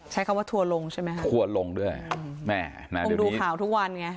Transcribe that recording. ใช้คำว่าถั่วลงใช่ไหมถั่วลงด้วยแม่ผมดูข่าวทุกวันไง